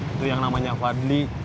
itu yang namanya fadli